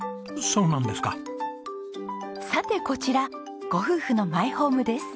さてこちらご夫婦のマイホームです。